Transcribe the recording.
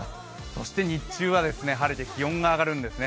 そして日中は晴れて気温が上がるんですね。